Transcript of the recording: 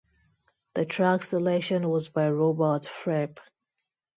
The track selection was by Robert Fripp.